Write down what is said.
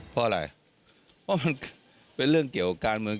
เพราะอะไรเพราะมันเป็นเรื่องเกี่ยวการเมือง